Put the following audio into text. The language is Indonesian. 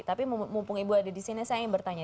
tapi mumpung ibu ada di sini saya ingin bertanya